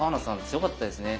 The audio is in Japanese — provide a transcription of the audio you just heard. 強かったですね。